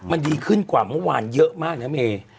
มันดีขึ้นกว่าเมื่อวานเยอะมากนะเมย์